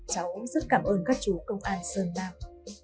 cháu cũng rất cảm ơn các chú công an sơn nam